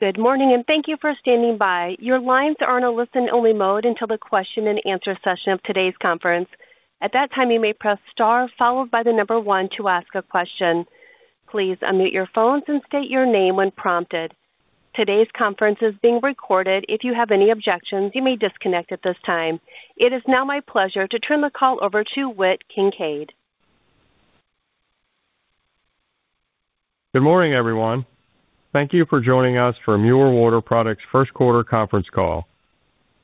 Good morning, and thank you for standing by. Your lines are in a listen-only mode until the question-and-answer session of today's conference. At that time, you may press star followed by the number one to ask a question. Please unmute your phones and state your name when prompted. Today's conference is being recorded. If you have any objections, you may disconnect at this time. It is now my pleasure to turn the call over to Whit Kincaid. Good morning, everyone. Thank you for joining us for Mueller Water Products' Q1 conference call.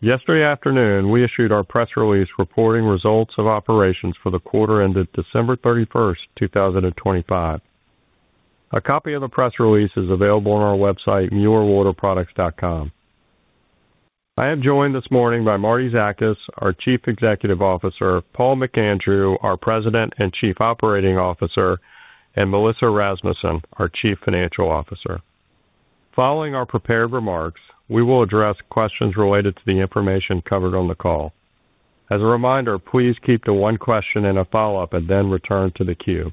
Yesterday afternoon, we issued our press release reporting results of operations for the quarter ended December 31, 2025. A copy of the press release is available on our website, muellerwaterproducts.com. I am joined this morning by Martie Zakas, our Chief Executive Officer, Paul McAndrew, our President and Chief Operating Officer, and Melissa Rasmussen, our Chief Financial Officer. Following our prepared remarks, we will address questions related to the information covered on the call. As a reminder, please keep to one question and a follow-up, and then return to the queue.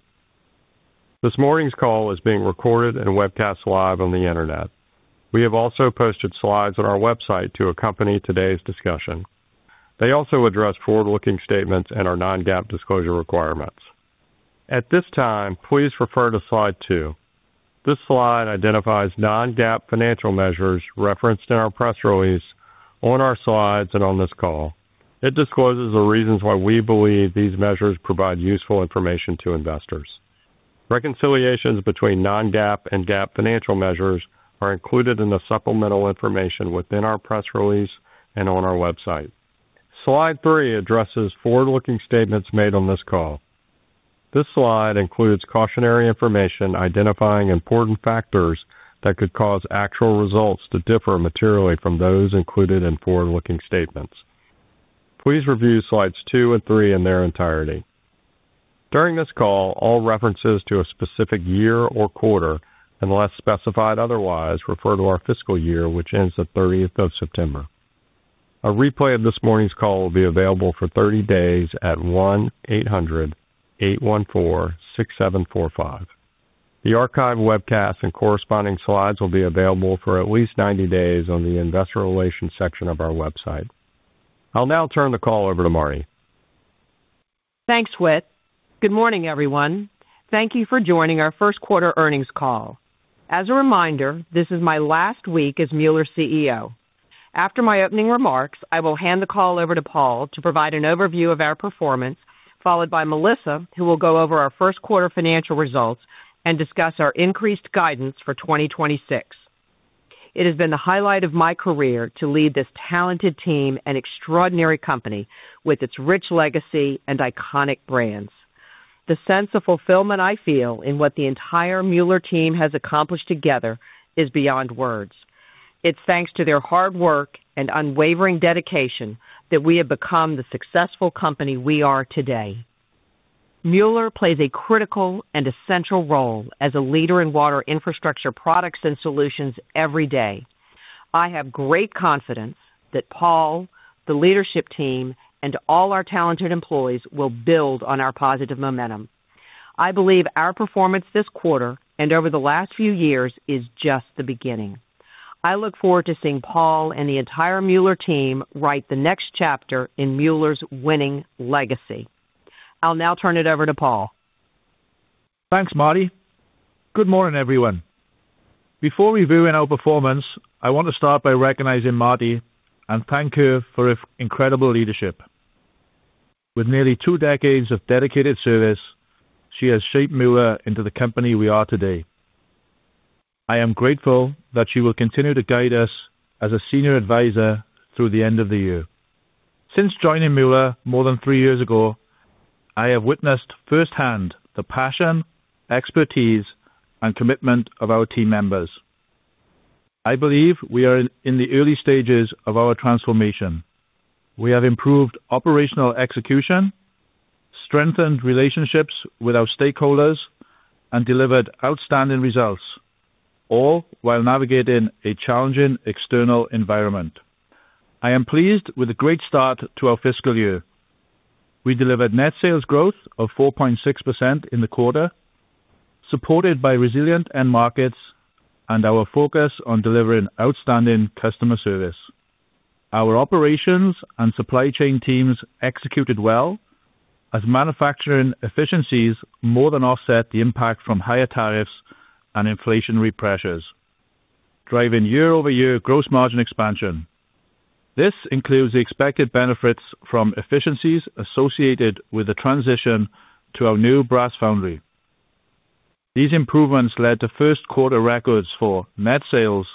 This morning's call is being recorded and webcast live on the Internet. We have also posted slides on our website to accompany today's discussion. They also address forward-looking statements and our non-GAAP disclosure requirements. At this time, please refer to slide two. This slide identifies non-GAAP financial measures referenced in our press release, on our slides, and on this call. It discloses the reasons why we believe these measures provide useful information to investors. Reconciliations between non-GAAP and GAAP financial measures are included in the supplemental information within our press release and on our website. Slide three addresses forward-looking statements made on this call. This slide includes cautionary information identifying important factors that could cause actual results to differ materially from those included in forward-looking statements. Please review slides two and three in their entirety. During this call, all references to a specific year or quarter, unless specified otherwise, refer to our fiscal year, which ends the 30th of September. A replay of this morning's call will be available for 30 days at 1-800-814-6745. The archived webcast and corresponding slides will be available for at least 90 days on the investor relations section of our website. I'll now turn the call over to Martie. Thanks, Whit. Good morning, everyone. Thank you for joining our Q1 earnings call. As a reminder, this is my last week as Mueller's CEO. After my opening remarks, I will hand the call over to Paul to provide an overview of our performance, followed by Melissa, who will go over our Q1 financial results and discuss our increased guidance for 2026. It has been the highlight of my career to lead this talented team and extraordinary company with its rich legacy and iconic brands. The sense of fulfillment I feel in what the entire Mueller team has accomplished together is beyond words. It's thanks to their hard work and unwavering dedication that we have become the successful company we are today. Mueller plays a critical and essential role as a leader in water infrastructure products and solutions every day. I have great confidence that Paul, the leadership team, and all our talented employees will build on our positive momentum. I believe our performance this quarter and over the last few years is just the beginning. I look forward to seeing Paul and the entire Mueller team write the next chapter in Mueller's winning legacy. I'll now turn it over to Paul. Thanks, Martie. Good morning, everyone. Before reviewing our performance, I want to start by recognizing Martie and thank her for her incredible leadership. With nearly two decades of dedicated service, she has shaped Mueller into the company we are today. I am grateful that she will continue to guide us as a senior advisor through the end of the year. Since joining Mueller more than three years ago, I have witnessed firsthand the passion, expertise, and commitment of our team members. I believe we are in the early stages of our transformation. We have improved operational execution, strengthened relationships with our stakeholders, and delivered outstanding results, all while navigating a challenging external environment. I am pleased with the great start to our fiscal year. We delivered net sales growth of 4.6% in the quarter, supported by resilient end markets and our focus on delivering outstanding customer service. Our operations and supply chain teams executed well as manufacturing efficiencies more than offset the impact from higher tariffs and inflationary pressures, driving year-over-year gross margin expansion. This includes the expected benefits from efficiencies associated with the transition to our new brass foundry. These improvements led to Q1 records for net sales,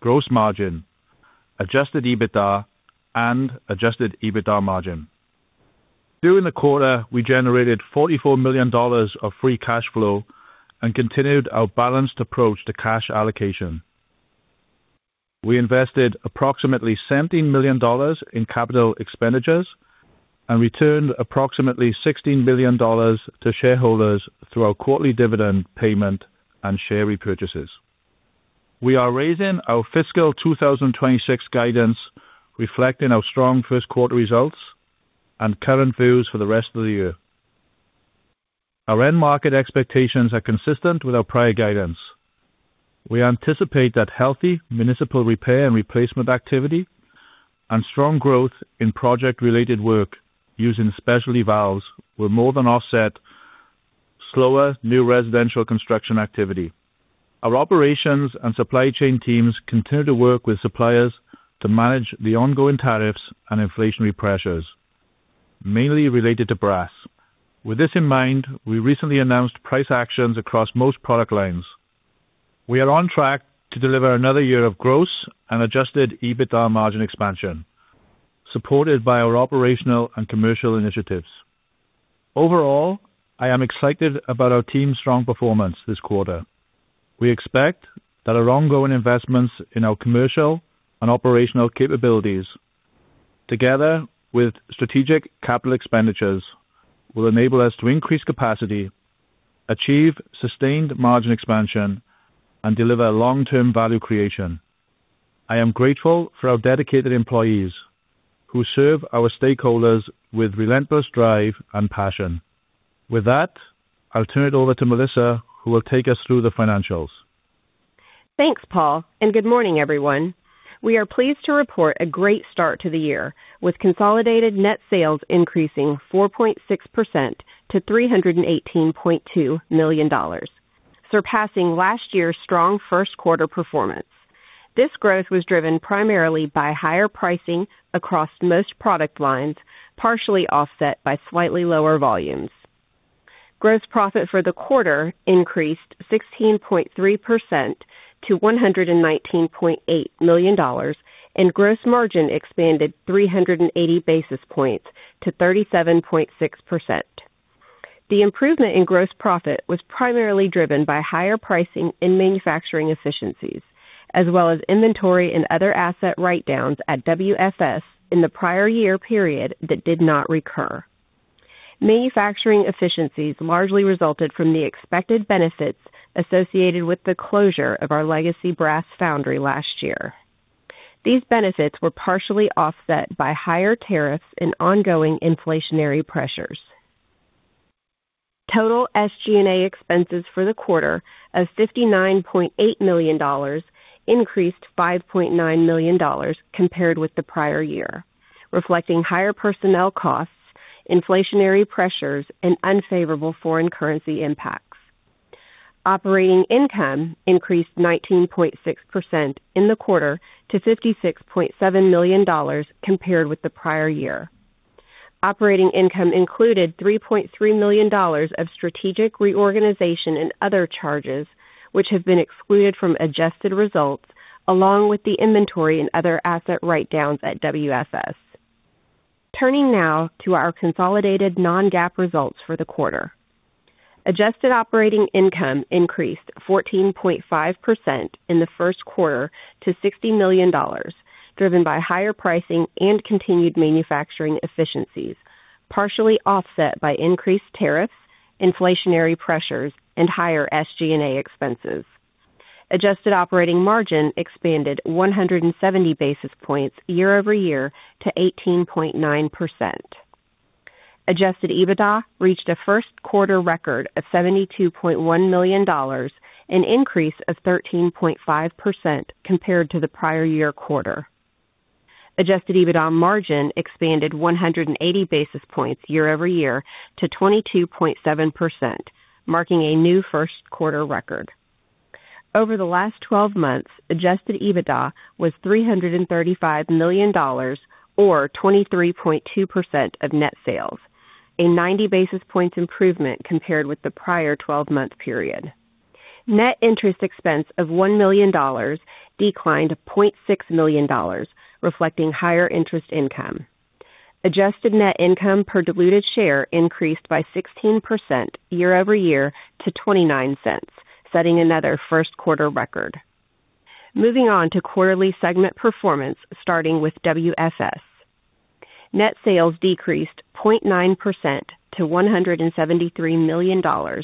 gross margin, adjusted EBITDA, and adjusted EBITDA margin. During the quarter, we generated $44 million of free cash flow and continued our balanced approach to cash allocation. We invested approximately $17 million in capital expenditures and returned approximately $16 million to shareholders through our quarterly dividend payment and share repurchases. We are raising our FY 2026 guidance, reflecting our strong Q1 results and current views for the rest of the year. Our end market expectations are consistent with our prior guidance. We anticipate that healthy municipal repair and replacement activity and strong growth in project-related work using specialty valves will more than offset slower new residential construction activity. Our operations and supply chain teams continue to work with suppliers to manage the ongoing tariffs and inflationary pressures, mainly related to brass. With this in mind, we recently announced price actions across most product lines. We are on track to deliver another year of gross and Adjusted EBITDA margin expansion, supported by our operational and commercial initiatives. Overall, I am excited about our team's strong performance this quarter. We expect that our ongoing investments in our commercial and operational capabilities, together with strategic capital expenditures, will enable us to increase capacity, achieve sustained margin expansion, and deliver long-term value creation. I am grateful for our dedicated employees who serve our stakeholders with relentless drive and passion. With that, I'll turn it over to Melissa, who will take us through the financials. Thanks, Paul, and good morning, everyone. We are pleased to report a great start to the year, with consolidated net sales increasing 4.6% to $318.2 million, surpassing last year's strong Q1 performance. This growth was driven primarily by higher pricing across most product lines, partially offset by slightly lower volumes. Gross profit for the quarter increased 16.3% to $119.8 million, and gross margin expanded 380 basis points to 37.6%. The improvement in gross profit was primarily driven by higher pricing and manufacturing efficiencies, as well as inventory and other asset write-downs at WFS in the prior year period that did not recur. Manufacturing efficiencies largely resulted from the expected benefits associated with the closure of our legacy brass foundry last year. These benefits were partially offset by higher tariffs and ongoing inflationary pressures. Total SG&A expenses for the quarter of $59.8 million increased $5.9 million compared with the prior year, reflecting higher personnel costs, inflationary pressures, and unfavorable foreign currency impacts. Operating income increased 19.6% in the quarter to $56.7 million, compared with the prior year. Operating income included $3.3 million of strategic reorganization and other charges, which have been excluded from adjusted results, along with the inventory and other asset write-downs at WFS. Turning now to our consolidated non-GAAP results for the quarter. Adjusted operating income increased 14.5% in the Q1 to $60 million, driven by higher pricing and continued manufacturing efficiencies, partially offset by increased tariffs, inflationary pressures, and higher SG&A expenses. Adjusted operating margin expanded 170 basis points year-over-year to 18.9%. Adjusted EBITDA reached a Q1 record of $72.1 million, an increase of 13.5% compared to the prior year quarter. Adjusted EBITDA margin expanded 180 basis points year-over-year to 22.7%, marking a new Q1 record. Over the last 12 months, adjusted EBITDA was $335 million or 23.2% of net sales, a 90 basis points improvement compared with the prior 12-month period. Net interest expense of $1 million declined to $0.6 million, reflecting higher interest income. Adjusted net income per diluted share increased by 16% year-over-year to $0.29, setting another Q1 record. Moving on to quarterly segment performance, starting with WFS. Net sales decreased 0.9% to $173 million,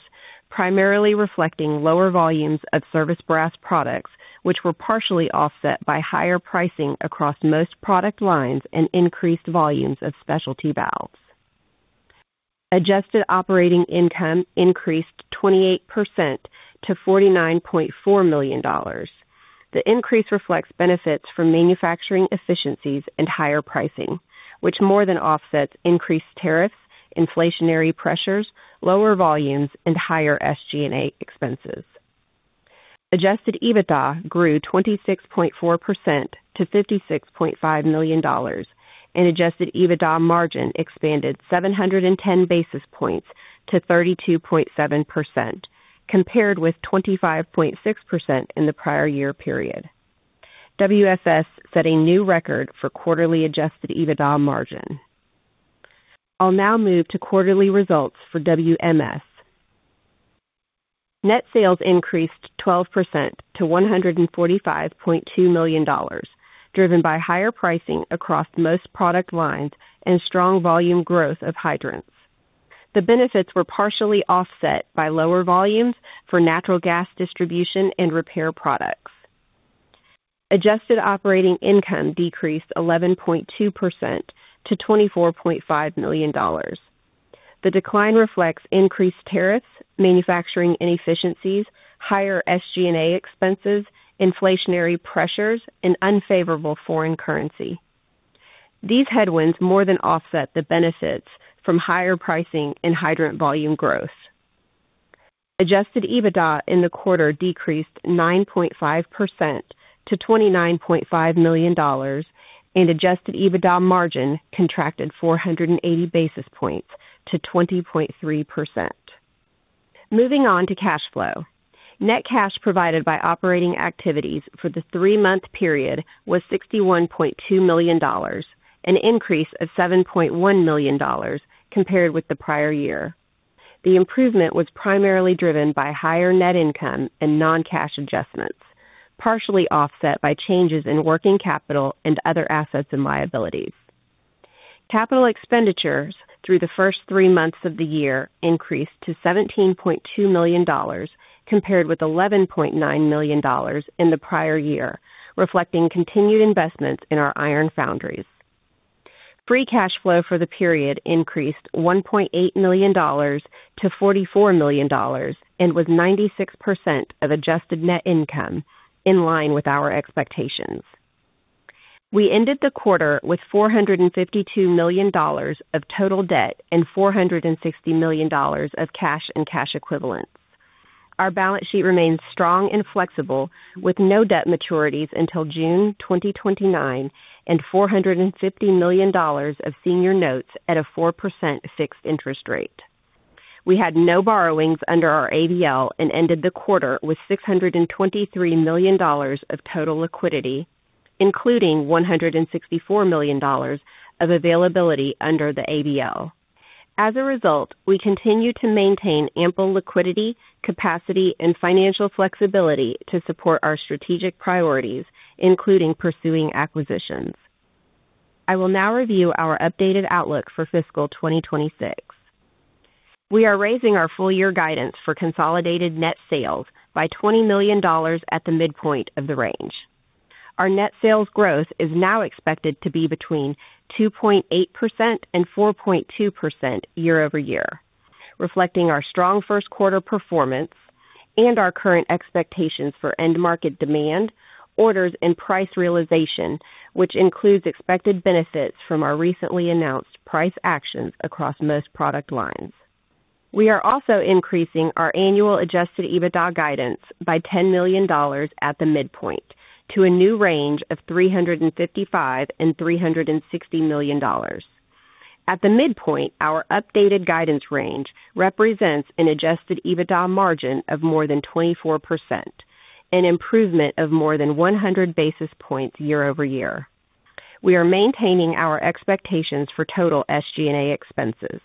primarily reflecting lower volumes of service brass products, which were partially offset by higher pricing across most product lines and increased volumes of specialty valves. Adjusted operating income increased 28% to $49.4 million. The increase reflects benefits from manufacturing efficiencies and higher pricing, which more than offsets increased tariffs, inflationary pressures, lower volumes, and higher SG&A expenses. Adjusted EBITDA grew 26.4% to $56.5 million, and adjusted EBITDA margin expanded 710 basis points to 32.7%, compared with 25.6% in the prior year period. WFS set a new record for quarterly adjusted EBITDA margin. I'll now move to quarterly results for WMS. Net sales increased 12% to $145.2 million, driven by higher pricing across most product lines and strong volume growth of hydrants. The benefits were partially offset by lower volumes for natural gas distribution and repair products. Adjusted operating income decreased 11.2% to $24.5 million. The decline reflects increased tariffs, manufacturing inefficiencies, higher SG&A expenses, inflationary pressures, and unfavorable foreign currency. These headwinds more than offset the benefits from higher pricing and hydrant volume growth. Adjusted EBITDA in the quarter decreased 9.5% to $29.5 million, and adjusted EBITDA margin contracted 480 basis points to 20.3%. Moving on to cash flow. Net cash provided by operating activities for the three-month period was $61.2 million, an increase of $7.1 million compared with the prior year. The improvement was primarily driven by higher net income and non-cash adjustments, partially offset by changes in working capital and other assets and liabilities. Capital expenditures through the first three months of the year increased to $17.2 million, compared with $11.9 million in the prior year, reflecting continued investments in our iron foundries. Free cash flow for the period increased $1.8 million to $44 million and was 96% of adjusted net income, in line with our expectations. We ended the quarter with $452 million of total debt and $460 million of cash and cash equivalents. Our balance sheet remains strong and flexible, with no debt maturities until June 2029 and $450 million of senior notes at a 4% fixed interest rate. We had no borrowings under our ABL and ended the quarter with $623 million of total liquidity, including $164 million of availability under the ABL. As a result, we continue to maintain ample liquidity, capacity, and financial flexibility to support our strategic priorities, including pursuing acquisitions. I will now review our updated outlook for fiscal 2026. We are raising our full-year guidance for consolidated net sales by $20 million at the midpoint of the range. Our net sales growth is now expected to be between 2.8% and 4.2% year-over-year, reflecting our strong Q1 performance and our current expectations for end market demand, orders, and price realization, which includes expected benefits from our recently announced price actions across most product lines. We are also increasing our annual Adjusted EBITDA guidance by $10 million at the midpoint to a new range of $355 million to $360 million. At the midpoint, our updated guidance range represents an Adjusted EBITDA margin of more than 24%, an improvement of more than 100 basis points year-over-year. We are maintaining our expectations for total SG&A expenses.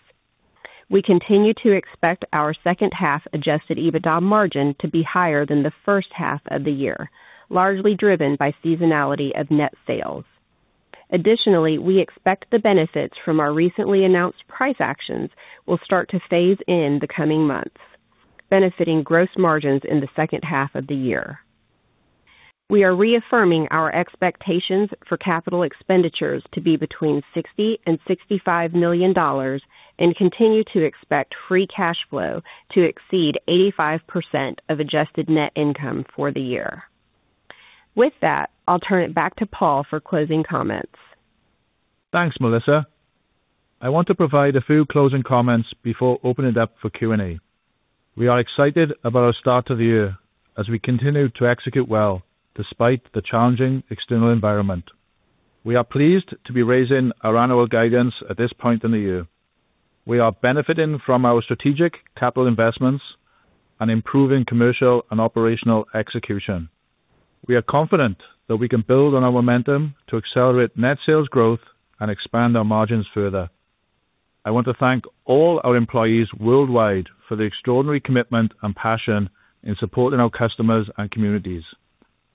We continue to expect our H2 Adjusted EBITDA margin to be higher than the first half of the year, largely driven by seasonality of net sales. Additionally, we expect the benefits from our recently announced price actions will start to phase in the coming months, benefiting gross margins in the second half of the year. We are reaffirming our expectations for capital expenditures to be between $60 million and $65 million, and continue to expect Free Cash Flow to exceed 85% of Adjusted Net Income for the year. With that, I'll turn it back to Paul for closing comments. Thanks, Melissa. I want to provide a few closing comments before opening it up for Q&A. We are excited about our start to the year as we continue to execute well despite the challenging external environment. We are pleased to be raising our annual guidance at this point in the year. We are benefiting from our strategic capital investments and improving commercial and operational execution. We are confident that we can build on our momentum to accelerate net sales growth and expand our margins further. I want to thank all our employees worldwide for the extraordinary commitment and passion in supporting our customers and communities.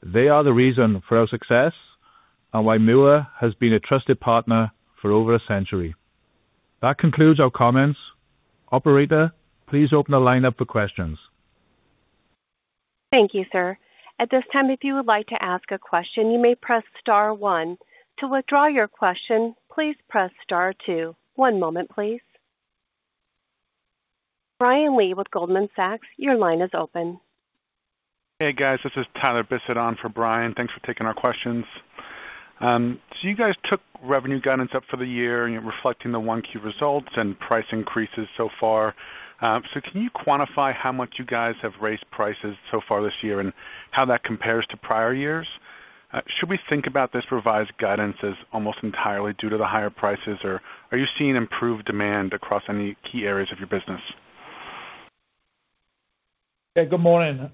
They are the reason for our success and why Mueller has been a trusted partner for over a century. That concludes our comments. Operator, please open the line up for questions. Thank you, sir. At this time, if you would like to ask a question, you may press star one. To withdraw your question, please press star two. One moment, please. Brian Lee with Goldman Sachs, your line is open. Hey, guys. This is Tyler Bisset on for Bryan. Thanks for taking our questions. You guys took revenue guidance up for the year, and you're reflecting the Q1 results and price increases so far. Can you quantify how much you guys have raised prices so far this year and how that compares to prior years? Should we think about this revised guidance as almost entirely due to the higher prices, or are you seeing improved demand across any key areas of your business? Yeah, good morning.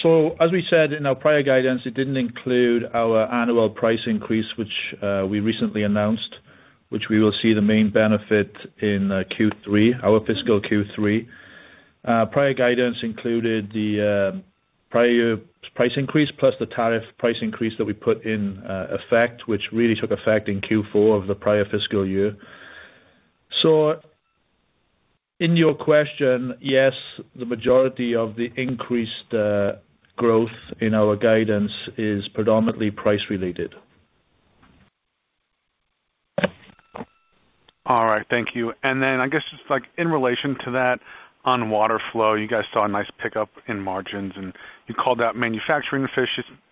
So as we said in our prior guidance, it didn't include our annual price increase, which we recently announced, which we will see the main benefit in Q3, our fiscal Q3. Prior guidance included the prior price increase, plus the tariff price increase that we put in effect, which really took effect in Q4 of the prior fiscal year. In your question, yes, the majority of the increased growth in our guidance is predominantly price-related. All right. Thank you. And then I guess just like in relation to that, on Water Flow, you guys saw a nice pickup in margins, and you called out manufacturing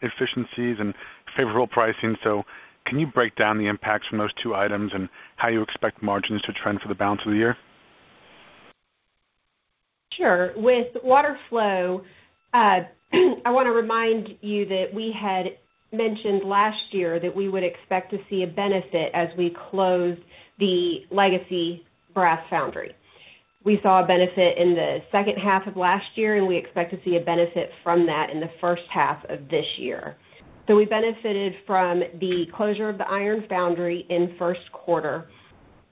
efficiencies and favorable pricing. So, can you break down the impacts from those two items and how you expect margins to trend for the balance of the year? Sure. With Water Flow, I want to remind you that we had mentioned last year that we would expect to see a benefit as we closed the legacy brass foundry. We saw a benefit in the second half of last year, and we expect to see a benefit from that in the first half of this year. So we benefited from the closure of the iron foundry in Q1,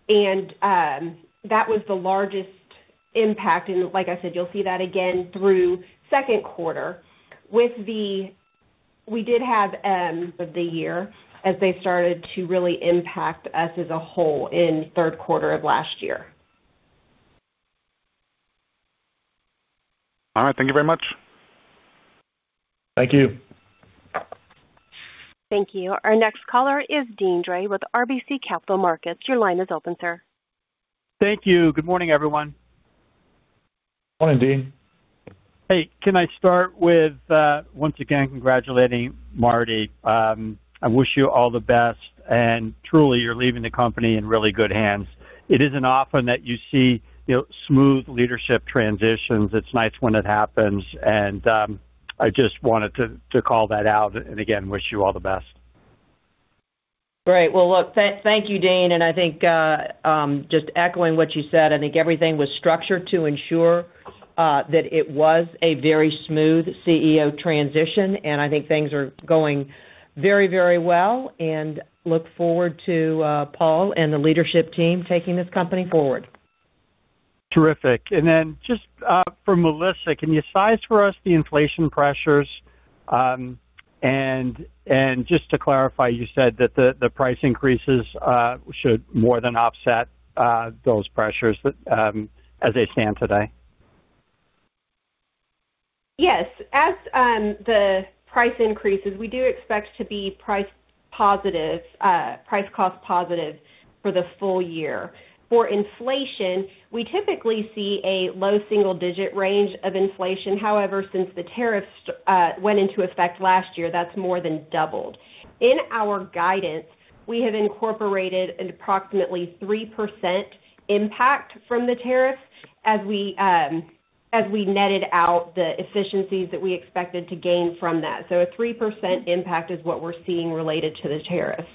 and that was the largest impact. And like I said, you'll see that again through Q2. With the, we did have end the year as they started to really impact us as a whole in Q3 of last year. All right. Thank you very much. Thank you. Thank you. Our next caller is Deane Dray with RBC Capital Markets. Your line is open, sir. Thank you. Good morning, everyone. Morning, Deane. Hey, can I start with once again congratulating Martie. I wish you all the best, and truly, you're leaving the company in really good hands. It isn't often that you see, you know, smooth leadership transitions. It's nice when it happens, and I just wanted to call that out and again wish you all the best. Great. Well, look, thank you, Deane, and I think, just echoing what you said, I think everything was structured to ensure that it was a very smooth CEO transition, and I think things are going very, very well, and look forward to Paul and the leadership team taking this company forward. Terrific. And then just for Melissa, can you size for us the inflation pressures? And just to clarify, you said that the price increases should more than offset those pressures as they stand today. Yes. As the price increases, we do expect to be price positive, price cost positive for the full year. For inflation, we typically see a low single-digit range of inflation. However, since the tariffs went into effect last year, that's more than doubled. In our guidance, we have incorporated an approximately 3% impact from the tariffs as we, as we netted out the efficiencies that we expected to gain from that. So a 3% impact is what we're seeing related to the tariffs.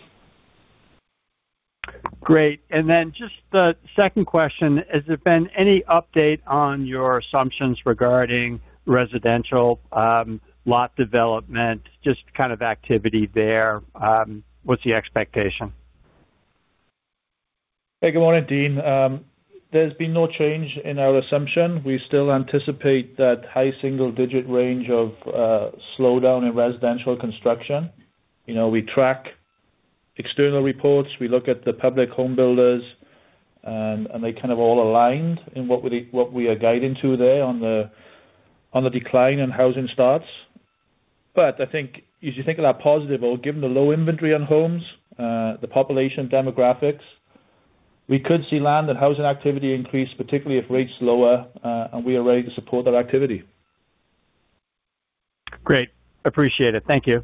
Great. And then just the second question: Has there been any update on your assumptions regarding residential, lot development, just kind of activity there? What's the expectation? Hey, good morning, Deane. There's been no change in our assumption. We still anticipate that high single-digit range of slowdown in residential construction. You know, we track external reports, we look at the public home builders, and they kind of all aligned in what we are guiding to there on the decline in housing starts. But I think if you think of that positive, or given the low inventory on homes, the population demographics, we could see land and housing activity increase, particularly if rates lower, and we are ready to support that activity. Great. Appreciate it. Thank you.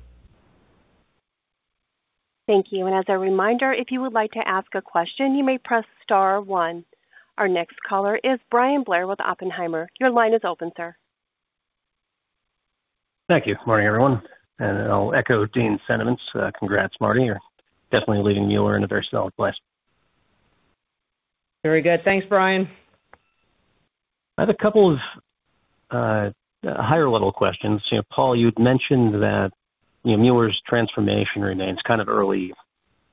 Thank you. As a reminder, if you would like to ask a question, you may press star one. Our next caller is Bryan Blair with Oppenheimer. Your line is open, sir. Thank you. Morning, everyone, and I'll echo Deane's sentiments. Congrats, Martie. You're definitely leaving Mueller in a very solid place. Very good. Thanks, Bryan. I have a couple of higher-level questions. You know, Paul, you'd mentioned that, you know, Mueller's transformation remains kind of early,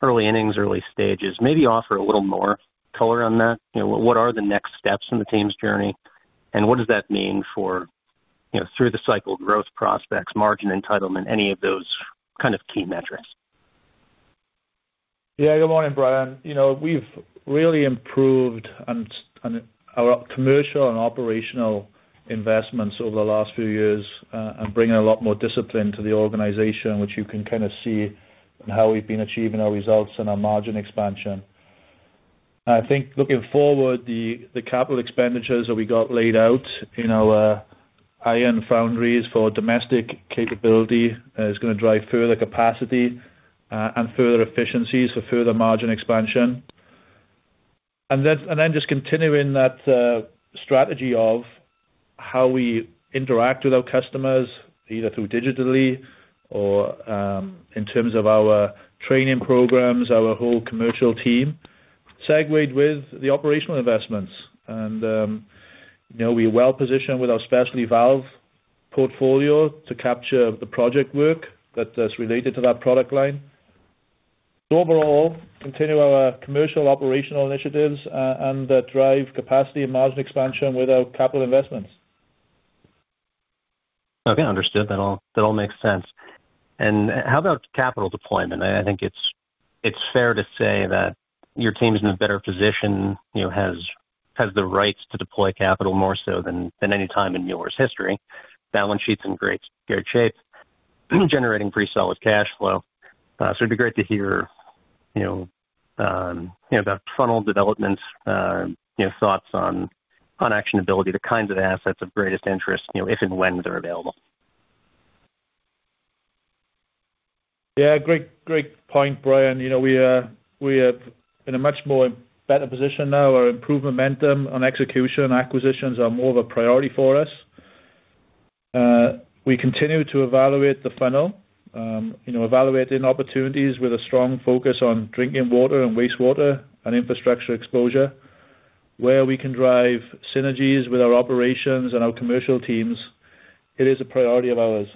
early innings, early stages. Maybe offer a little more color on that. You know, what are the next steps in the team's journey, and what does that mean for, you know, through the cycle growth prospects, margin entitlement, any of those kind of key metrics? Yeah, good morning, Bryan. You know, we've really improved on our commercial and operational investments over the last few years, and bringing a lot more discipline to the organization, which you can kind of see in how we've been achieving our results and our margin expansion. I think looking forward, the capital expenditures that we got laid out in our iron foundries for domestic capability is gonna drive further capacity and further efficiencies for further margin expansion. And then just continuing that strategy of how we interact with our customers, either through digitally or in terms of our training programs, our whole commercial team segued with the operational investments. And you know, we're well-positioned with our specialty valves portfolio to capture the project work that is related to that product line. Overall, continue our commercial operational initiatives and drive capacity and margin expansion with our capital investments. Okay, understood. That all makes sense. How about capital deployment? I think it's fair to say that your team's in a better position, you know, has the rights to deploy capital more so than any time in Mueller's history. Balance sheet's in great shape, generating pretty solid cash flow. It'd be great to hear, you know, you know, about funnel developments, you know, thoughts on actionability, the kinds of assets of greatest interest, you know, if and when they're available. Yeah, great, great point, Brian. You know, we are, we are in a much more better position now. Our improved momentum on execution acquisitions are more of a priority for us. We continue to evaluate the funnel, you know, evaluating opportunities with a strong focus on drinking water and wastewater and infrastructure exposure, where we can drive synergies with our operations and our commercial teams. It is a priority of ours.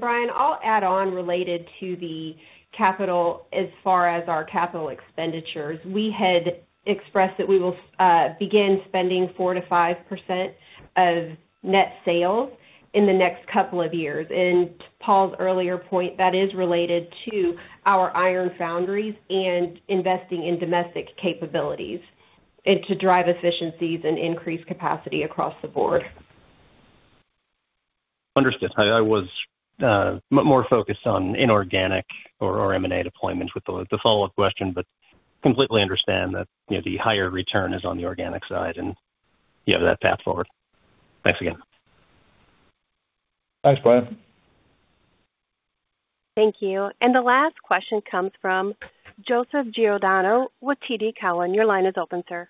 Bryan, I'll add on related to the capital, as far as our capital expenditures. We had expressed that we will begin spending 4%-5% of net sales in the next couple of years. Paul's earlier point, that is related to our iron foundries and investing in domestic capabilities, and to drive efficiencies and increase capacity across the board. Understood. I was more focused on inorganic or M&A deployments with the follow-up question, but completely understand that, you know, the higher return is on the organic side, and you have that path forward. Thanks again. Thanks, Brian. Thank you. The last question comes from Joseph Giordano with TD Cowen. Your line is open, sir.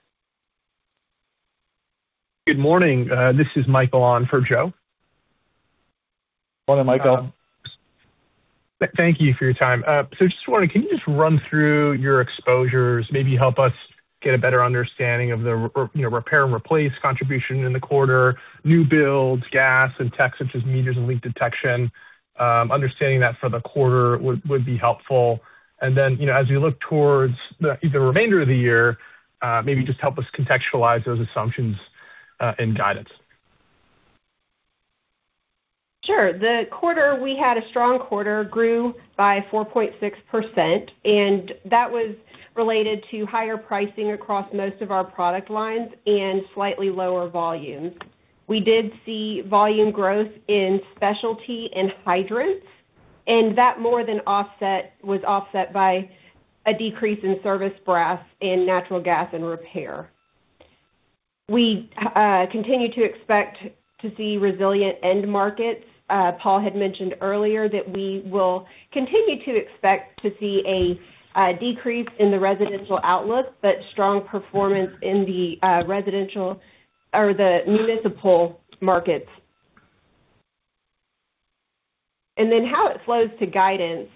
Good morning. This is Michael on for Joe. Morning, Michael. Thank you for your time. So just wondering, can you just run through your exposures, maybe help us get a better understanding of, you know, repair and replace contribution in the quarter, new builds, gas and tech, such as meters and leak detection. Understanding that for the quarter would be helpful. And then, you know, as we look towards the remainder of the year, maybe just help us contextualize those assumptions and guidance. Sure. The quarter, we had a strong quarter, grew by 4.6%, and that was related to higher pricing across most of our product lines and slightly lower volumes. We did see volume growth in specialty and hydrants, and that more than offset was offset by a decrease in service brass in natural gas and repair. We continue to expect to see resilient end markets. Paul had mentioned earlier that we will continue to expect to see a decrease in the residential outlook, but strong performance in the residential or the municipal markets. And then how it flows to guidance,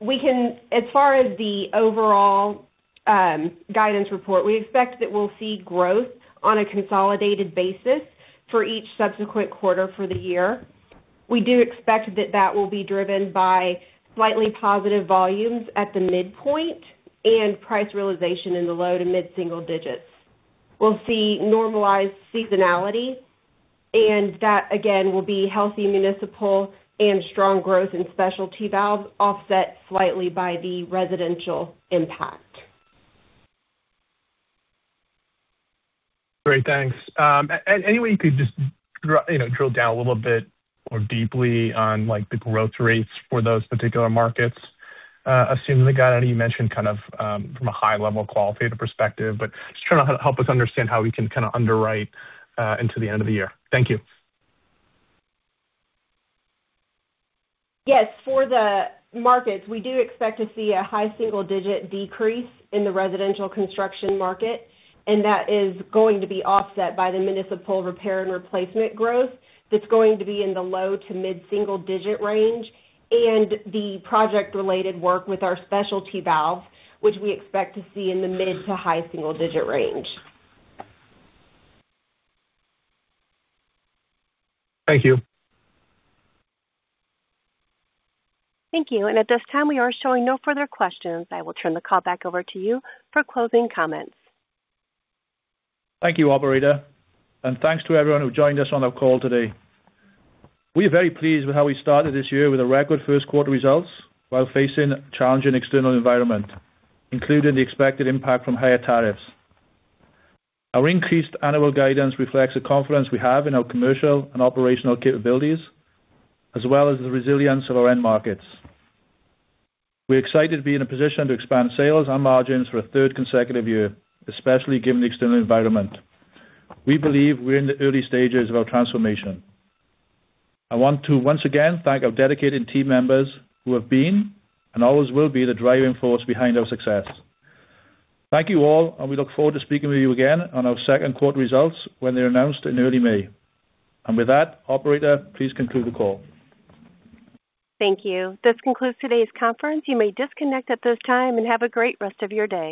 as far as the overall guidance report, we expect that we'll see growth on a consolidated basis for each subsequent quarter for the year. We do expect that will be driven by slightly positive volumes at the midpoint, and price realization in the low to mid-single digits. We'll see normalized seasonality, and that, again, will be healthy municipal and strong growth in specialty valves, offset slightly by the residential impact. Great, thanks. Any way you could just, you know, drill down a little bit more deeply on, like, the growth rates for those particular markets, assuming the guide you mentioned, kind of, from a high-level qualitative perspective, but just trying to help us understand how we can kind of underwrite into the end of the year? Thank you. Yes, for the markets, we do expect to see a high single-digit decrease in the residential construction market, and that is going to be offset by the municipal repair and replacement growth that's going to be in the low to mid-single digit range, and the project-related work with our specialty valves, which we expect to see in the mid to high single-digit range. Thank you. Thank you. At this time, we are showing no further questions. I will turn the call back over to you for closing comments. Thank you, operator, and thanks to everyone who joined us on our call today. We are very pleased with how we started this year with a record Q1 results while facing a challenging external environment, including the expected impact from higher tariffs. Our increased annual guidance reflects the confidence we have in our commercial and operational capabilities, as well as the resilience of our end markets. We're excited to be in a position to expand sales and margins for a third consecutive year, especially given the external environment. We believe we're in the early stages of our transformation. I want to once again thank our dedicated team members who have been and always will be the driving force behind our success. Thank you all, and we look forward to speaking with you again on our Q2 results when they're announced in early May. With that, operator, please conclude the call. Thank you. This concludes today's conference. You may disconnect at this time and have a great rest of your day.